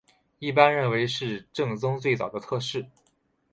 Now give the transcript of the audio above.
一般认为是政宗最早的侧室。